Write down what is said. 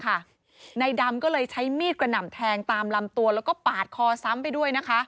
นายดำก็เลยใช้มีดกระหน่ำแทงตามลำตัวแล้วก็ปาดคอซ้ำไปด้วยนะคะ